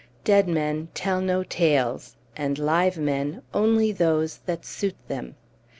Dead men tell no tales, and live men only those that suit them!